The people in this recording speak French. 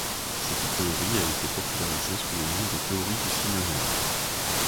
Cette théorie a été popularisée sous le nom de théorie du cygne noir.